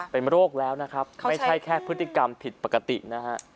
เป็นโรคแล้วนะครับไม่ใช่แค่พฤติกรรมผิดปกตินะฮะ